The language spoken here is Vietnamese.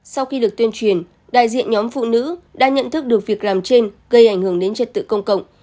sau khi được tuyên truyền đại diện nhóm phụ nữ đã nhận thức được việc làm trên gây ảnh hưởng đến trật tự công cộng